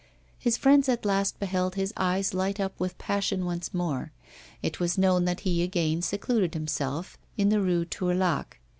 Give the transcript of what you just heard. His friends at last beheld his eyes light up with passion once more. It was known that he again secluded himself in the Rue Tourlaque.